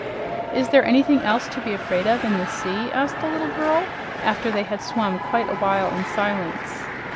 "Is there anything else to be afraid of in the sea?" asked the little girl after they had swum quite a while in silence.